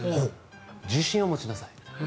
自信を持ちなさい。